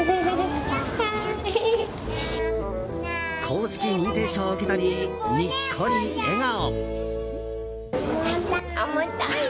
公式認定証を受け取りにっこり笑顔。